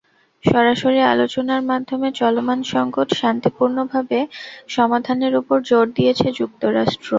সরাসরি আলোচনার মাধ্যমে চলমান সংকট শান্তিপূর্ণভাবে সমাধানের ওপর জোর দিয়েছে যুক্তরাষ্ট্র।